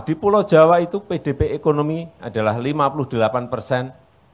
di pulau jawa itu pdb ekonomi adalah lima puluh delapan persen